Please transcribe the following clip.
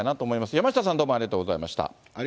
山下さん、どうもありがとうございました。